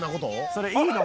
「それいいの？